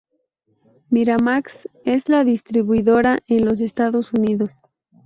Miramax es la distribuidora en los Estados Unidos.